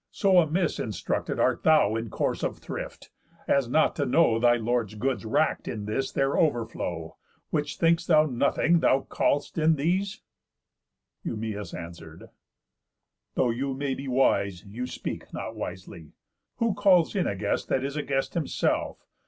So amiss instructed Art thou in course of thrift, as not to know Thy lord's goods wrack'd in this their overflow? Which think'st thou nothing, that thou call'st in these?" Eumæus answer'd: "Though you may be wise, You speak not wisely. Who calls in a guest That is a guest himself?